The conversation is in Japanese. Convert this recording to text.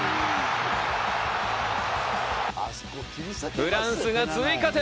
フランスが追加点。